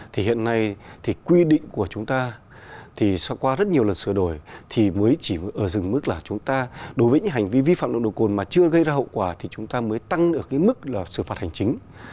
thì hiện nay thì quy định của chúng ta thì qua rất nhiều lần sửa đổi thì mới chỉ ở dừng mức là chúng ta đối với những hành vi vi phạm nồng độ cồn mà chưa gây ra hậu quả thì chúng ta mới tăng ở cái mức là xử phạt hành chính